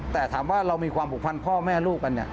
แต่ถามว่าเรามีความผูกพันพ่อแม่ลูกกัน